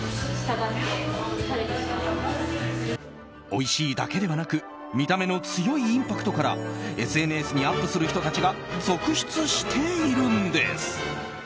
おいしいだけではなく見た目の強いインパクトからＳＮＳにアップする人たちが続出しているんです。